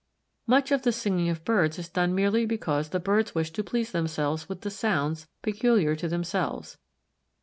Much of the singing of birds is done merely because the birds wish to please themselves with the sounds peculiar to themselves.